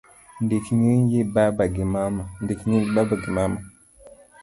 Ndik nying baba gi mama